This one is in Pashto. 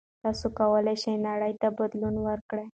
تاسو کولای شئ نړۍ ته بدلون ورکړئ.